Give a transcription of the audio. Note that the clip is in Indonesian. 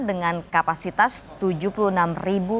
dengan kapasitas tujuh puluh enam ribu